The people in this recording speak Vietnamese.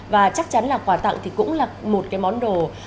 và chắc chắn là quà tặng cũng là một món đồ